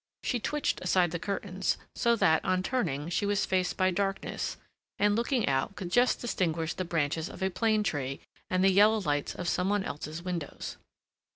She twitched aside the curtains, so that, on turning, she was faced by darkness, and looking out, could just distinguish the branches of a plane tree and the yellow lights of some one else's windows.